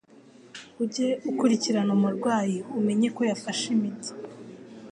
ujye ukurikirana umurwayi umenye ko yafashe imiti